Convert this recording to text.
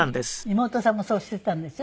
妹さんもそうしてたんでしょ？